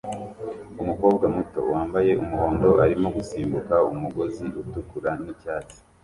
Umukobwa muto wambaye umuhondo arimo gusimbuka umugozi utukura nicyatsi